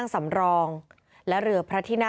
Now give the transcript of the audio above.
ในเวลาเดิมคือ๑๕นาทีครับ